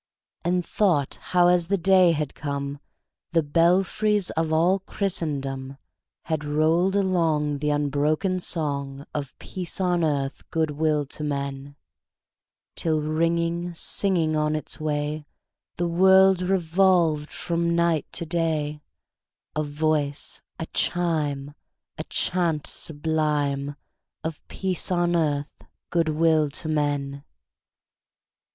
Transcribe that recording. And thought how, as the day had come, The belfries of all Christendom Had rolled along The unbroken song Of peace on earth, good will to men! Till, ringing, singing on its way, The world revolved from night to day, A voice, a chime, A chant sublime Of peace on earth, good will to men!